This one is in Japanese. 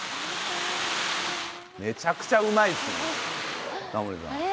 めちゃくちゃうまいですねタモリさん。あれ？